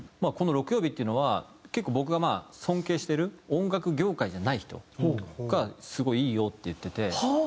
このろくようびっていうのは結構僕がまあ尊敬してる音楽業界じゃない人がすごいいいよって言ってて。